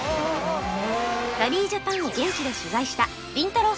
ラリージャパンを現地で取材したりんたろー。